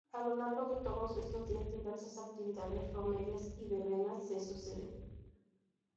A lo largo de todos estos días diversas actividades, romerías y verbenas se suceden.